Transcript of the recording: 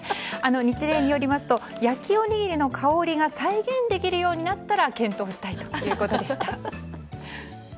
ニチレイによりますと焼おにぎりの香りが再現できるようになったら検討したいということでした。